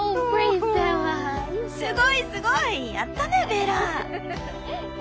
すごいすごいやったねベラ！